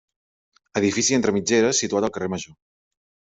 Edifici entre mitgeres situat al carrer Major.